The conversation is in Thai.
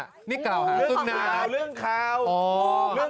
โอ้โหนี่ก่อนหาตุ๊กหน้าเนี่ยเรื่องขาวเรื่องน้ำเธอ